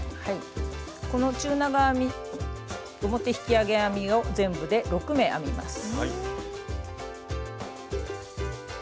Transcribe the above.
この中長編み表引き上げ編みを全部で６目編みます。